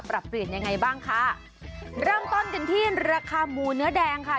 เริ่มต้นกันที่ราคาหมูเนื้อแดงค่ะ